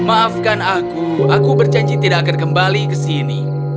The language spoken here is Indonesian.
maafkan aku aku berjanji tidak akan kembali ke sini